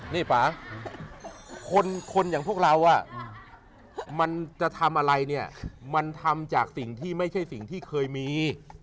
นี่ป่าคนอย่างพวกเรามันจะทำอะไรเนี่ยมันทำจากสิ่งที่ไม่ใช่สิ่งที่เคยมี